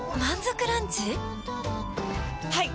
はい！